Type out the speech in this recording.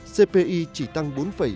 cpi chỉ tăng bốn bảy